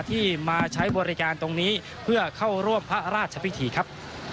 ที่มาใช้บริการตรงนี้เพื่อเข้าร่วมพระราชพิธีครับ